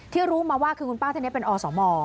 ที่รู้มาว่าคุณป้าเท่านี้เป็นอสม